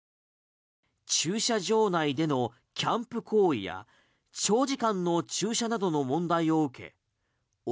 駐車場内でのキャンプ行為や長時間の駐車などの問題を受け奥